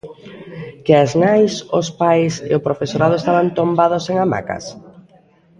¿Que as nais, os pais e o profesorado estaban tombados en hamacas?